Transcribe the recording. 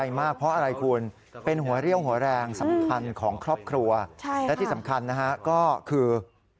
สำคัญของครอบครัวและที่สำคัญก็คือ